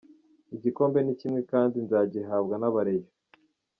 Igikombe ni kimwe kandi nzagihabwa n'abarayons.